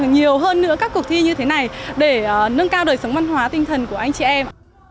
nhiều hơn nữa các cuộc thi như thế này để nâng cao đời sống văn hóa tinh thần của anh chị em